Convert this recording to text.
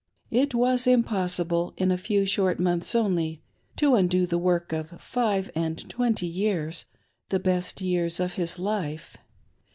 It was impossible, in a few short months only, to undo the work of five and twenty years— the best years of his life.